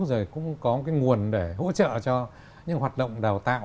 rồi cũng có cái nguồn để hỗ trợ cho những hoạt động đào tạo